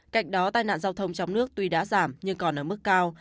cạnh đó tai nạn giao thông trong nước tuy đã giảm nhưng còn ở mức cao